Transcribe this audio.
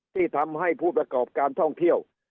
ที่ทำให้ผู้ประกอบการท่องเที่ยว